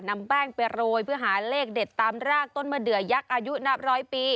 นำแป้งไปโรยเพื่อหาเลขเด็ดตามรากต้นมะเดือยักษ์อายุนับร้อยปี